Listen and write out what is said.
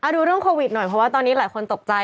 ดูเรื่องโควิดหน่อยเพราะว่าตอนนี้หลายคนตกใจ